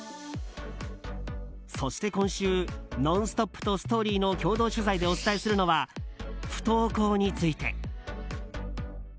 そして、今週「ノンストップ！」と「ＳＴＯＲＹ」の共同取材でお伝えするのは不登校について。